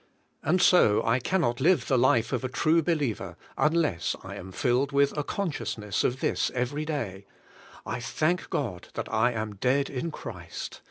And so I cannot live the life of a true believer unless I am filled with a con sciousness of this everj^ day: "I thank God that I am dead in Christ.